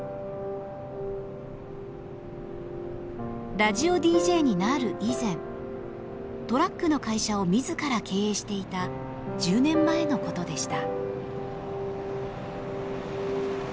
ラジオＤＪになる以前トラックの会社を自ら経営していた１０年前のことでした。